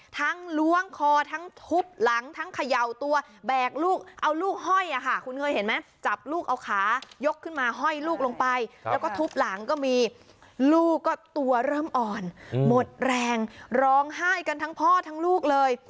ล้วงคอทั้งทุบหลังทั้งเขย่าตัวแบกลูกเอาลูกห้อยอะค่ะคุณเคยเห็นไหมจับลูกเอาขายกขึ้นมาห้อยลูกลงไปแล้วก็ทุบหลังก็มีลูกก็ตัวเริ่มอ่อนหมดแรงร้องไห้กันทั้งพ่อทั้งลูกเลย